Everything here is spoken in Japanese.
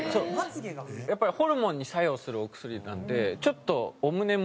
やっぱりホルモンに作用するお薬なのでちょっとお胸も。